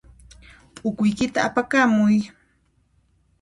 P'ukuykita apakamuy.